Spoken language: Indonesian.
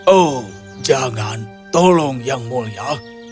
oh jangan tolong yang mulia